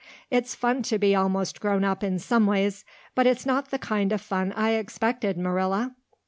It's fun to be almost grown up in some ways, but it's not the kind of fun I expected, Marilla.